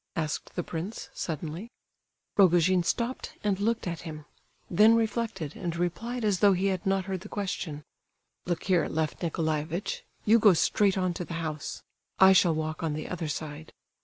asked the prince, suddenly. Rogojin stopped and looked at him; then reflected, and replied as though he had not heard the question: "Look here, Lef Nicolaievitch, you go straight on to the house; I shall walk on the other side.